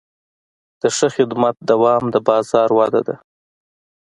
د ښه خدمت دوام د بازار وده ده.